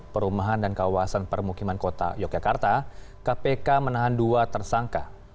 perumahan dan kawasan permukiman kota yogyakarta kpk menahan dua tersangka